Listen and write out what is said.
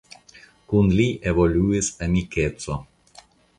Kun li evoluis amikeco.